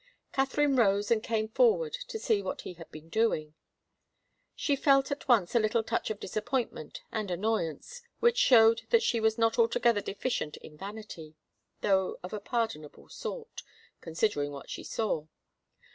Katharine rose and came forward to see what he had been doing. She felt at once a little touch of disappointment and annoyance, which showed that she was not altogether deficient in vanity, though of a pardonable sort, considering what she saw.